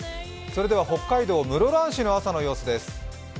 それでは北海道室蘭市の朝の様子です。